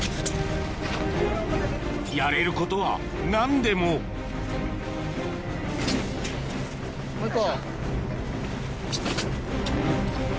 やれることは何でももう１個。